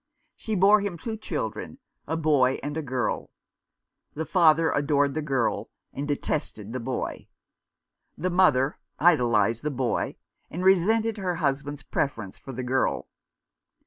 She bore him two children, a boy and a girl. The father adored the girl, and detested the boy. The mother idolized the boy, and resented her husband's preference for the girl.